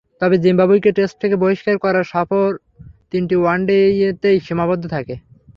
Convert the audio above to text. তবে জিম্বাবুয়েকে টেস্ট থেকে বহিষ্কার করায় সফর তিনটি ওয়ানডেতেই সীমাবদ্ধ থাকে।